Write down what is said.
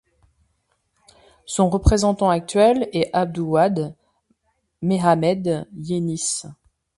Son représentant actuel est Abduwahd Mehamed Yenis.